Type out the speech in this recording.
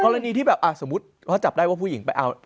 ภารณีที่แบบอ่ะสมมุติเขาจับได้ว่าผู้หญิงไปเอา